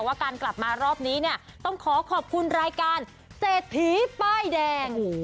ว่าการกลับมารอบนี้เนี่ยต้องขอขอบคุณรายการเศรษฐีป้ายแดง